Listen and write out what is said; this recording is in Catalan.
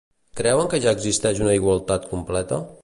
Creuen que ja existeix una igualtat completa?